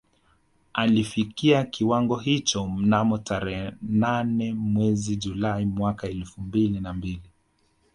Alifikia kiwango hicho mnamo tarehe nane mwezi Julai mwaka elfu mbili na mbili